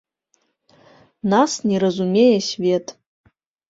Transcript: Нас не разумее свет.